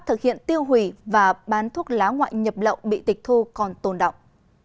thực hiện tiêu hủy và bán thuốc lá ngoại nhập lậu bị tịch thu còn tồn động